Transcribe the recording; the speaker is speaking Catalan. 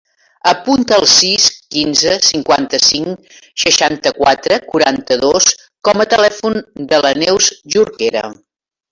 Apunta el sis, quinze, cinquanta-cinc, seixanta-quatre, quaranta-dos com a telèfon de la Neus Jorquera.